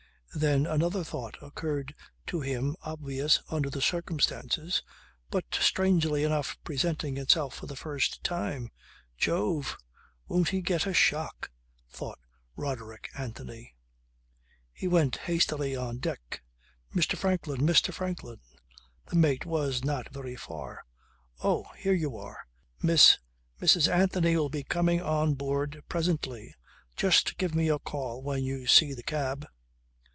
Then another thought occurred to him obvious under the circumstances but strangely enough presenting itself for the first time. "Jove! Won't he get a shock," thought Roderick Anthony. He went hastily on deck. "Mr. Franklin, Mr. Franklin." The mate was not very far. "Oh! Here you are. Miss ... Mrs. Anthony'll be coming on board presently. Just give me a call when you see the cab."